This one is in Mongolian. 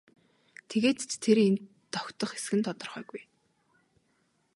Тэгээд ч тэр энд тогтох эсэх нь тодорхойгүй.